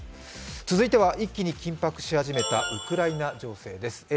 続いては一気に緊迫し始めたウクライナ情勢です。